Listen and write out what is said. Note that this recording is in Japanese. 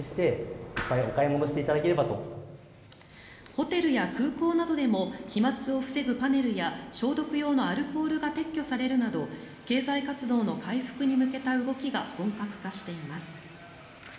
ホテルや空港などでも飛まつを防ぐパネルや消毒用のアルコールが撤去されるなど経済活動の回復に向けた動きが本格化しています。